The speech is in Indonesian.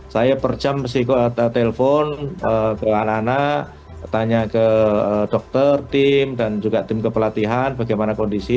saya perjam sih ke telepon ke anak anak tanya ke dokter tim dan juga tim kepelatihan bagaimana kondisi